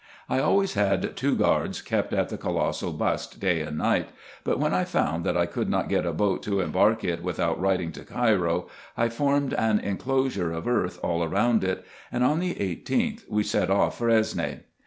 I always had two guards kept at the colossal bust day and night ; but when I found that I could not get a boat to embark it without writing to Cairo, I formed an inclosure of earth all round it ; and on the 18th we set off for Esne.